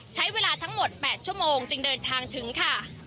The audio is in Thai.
ใช้เวลาทั้งหมด๘ชั่วโมงจึงเดินทางถึงค่ะ